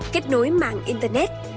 kết nối mạng internet